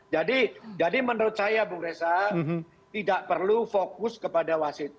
jadi jadi menurut saya bung reza tidak perlu fokus kepada wasit